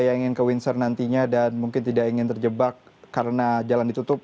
yang ingin ke windsor nantinya dan mungkin tidak ingin terjebak karena jalan ditutup